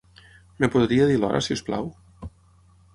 Em podria dir l'hora, si us plau?